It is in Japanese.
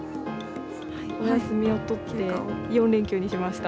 お休みを取って、４連休にしました。